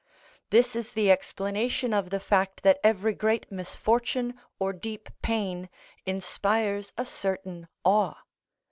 This is the explanation of the fact that every great misfortune or deep pain inspires a certain awe.